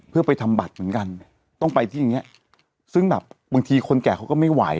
เพื่อไปทำบัตรเหมือนกันต้องไปที่อย่างเงี้ยซึ่งแบบบางทีคนแก่เขาก็ไม่ไหว